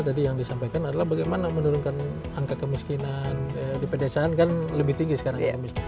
tadi yang disampaikan adalah bagaimana menurunkan angka kemiskinan di pedesaan kan lebih tinggi sekarang